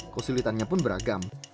kesulitannya pun beragam